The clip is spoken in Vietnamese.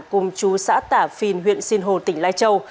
cùng chú xã tả phìn huyện sinh hồ tỉnh lai châu